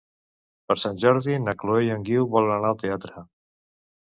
Per Sant Jordi na Chloé i en Guiu volen anar al teatre.